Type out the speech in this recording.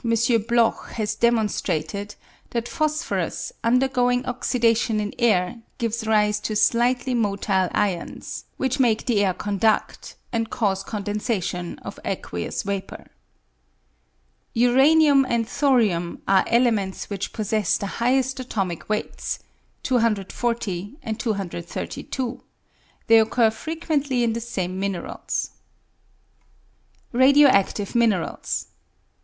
Bloch has demonstrated that phosphorus, undergoing oxidation in air, gives rise to slightly motile ions, which make the air condud, and cause condensation of aqueous vapour. Uranium and thorium are elements which possess the highest atomic weights (240 and 232) ; they occur frequently in the same minerals. Radio active Minerals.